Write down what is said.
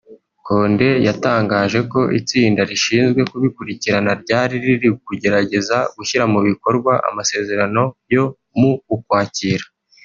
Condé yatangaje ko itsinda rishinzwe kubikurikirana ryari riri kugerageza gushyira mu bikorwa amasezerano yo mu Ukwakira